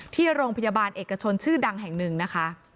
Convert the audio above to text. ที่โรงพยาบาลเอกชนชื่อดังแห่งหนึ่งนะคะ